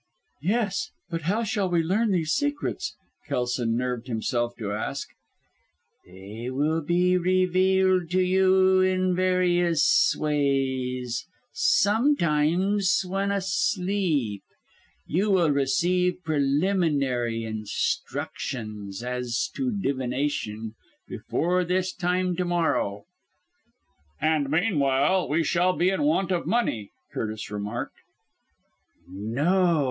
"Yes, but how shall we learn these secrets?" Kelson nerved himself to ask. "They will be revealed to you in various ways sometimes when asleep. You will receive preliminary instructions as to divination before this time to morrow." "And meanwhile, we shall be in want of money," Curtis remarked. "No!"